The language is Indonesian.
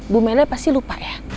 bung melda pasti lupa ya